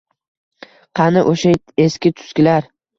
— Qani, o‘sha eski-tuskilar?